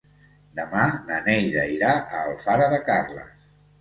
Demà na Neida irà a Alfara de Carles.